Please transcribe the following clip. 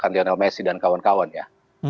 lionel messi dan kawan kawan ya